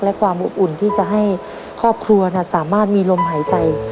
และความอบอุ่นที่จะให้ครอบครัวสามารถมีลมหายใจ